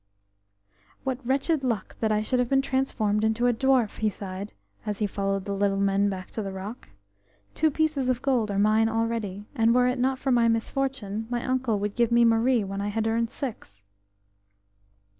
HAT wretched luck that I should have been transformed into a dwarf!" he sighed, as he followed the little men back to the rock. "Two pieces of gold are mine already, and, were it not for my misfortune, my uncle would give me Marie when I have earned six."